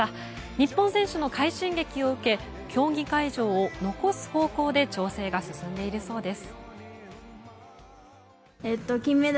日本選手の快進撃を受け競技会場を残す方向で調整が進んでいるそうです。